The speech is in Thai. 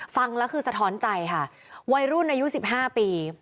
ฟังแล้วคือสะท้อนใจค่ะวัยรุ่นอายุ๑๕ปี